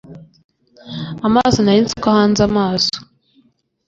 amaso nari nzi ko ahanze amaso